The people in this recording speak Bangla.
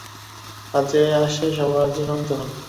কাজে আসে সবার যখন তখন!